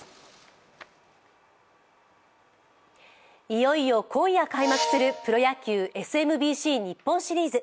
いよいよ今夜開幕するプロ野球ＳＭＢＣ日本シリーズ。